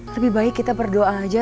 lebih baik kita berdoa aja